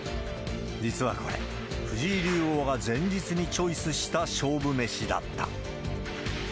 実はこれ、藤井竜王が前日にチョイスした勝負飯だった。